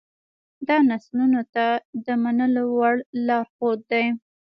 دا نسلونو ته د منلو وړ لارښود دی.